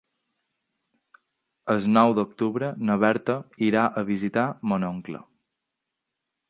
El nou d'octubre na Berta irà a visitar mon oncle.